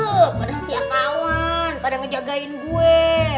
buh pada setia kawan pada ngejagain gue